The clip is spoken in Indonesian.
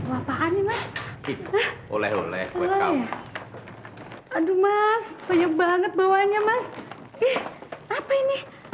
apaan nih mas oleh oleh oleh aduh mas banyak banget bawahnya mas ih apa ini